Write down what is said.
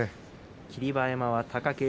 霧馬山は貴景